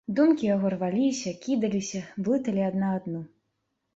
Думкі яго рваліся, кідаліся, блыталі адна адну.